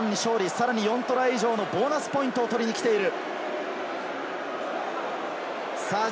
さらに４トライ以上のボーナスポイントを取りに来ている。